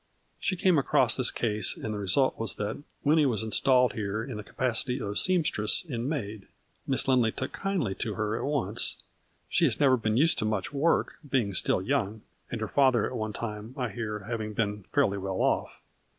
She came across this case and the result was that Winnie was in stalled here in the capacity of seamstress and maid. Miss Lindley took kindly to her at once. She has never been used to much work, being still young, and her father at one time, I hear, having been fairly well off.